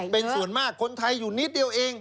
เป็นส่วนมากคนไทยอยู่นิดเดียวเอง